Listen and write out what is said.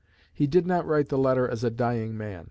He did not write the letter as a dying man.